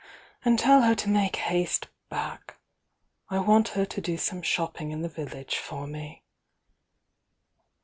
And tell her to make haste back— I want her to do some flopping in the village for me."